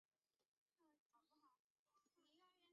闽太祖王审知亦用此年号。